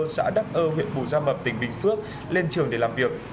xã đắc ơ huyện bù gia mập tỉnh bình phước lên trường để làm việc